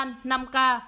lòng an năm ca